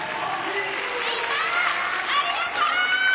みんな、ありがとう！